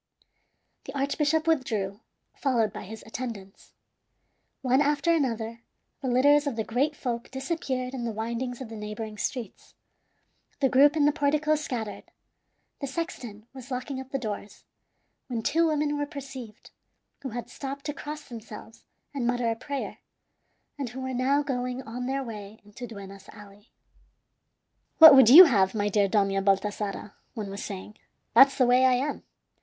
The archbishop withdrew, followed by his attendants. One after another the litters of the great folk disappeared in the windings of the neighboring streets. The group in the portico scattered. The sexton was locking up the doors, when two women were perceived, who had stopped to cross themselves and mutter a prayer, and who were now going on their way into Duenas Alley. "What would you have, my dear Dona Baltasara?" one was saying. "That's the way I am.